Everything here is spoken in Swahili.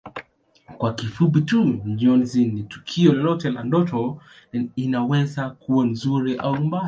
Kwa kifupi tu Njozi ni tukio lolote la ndoto inaweza kuwa nzuri au mbaya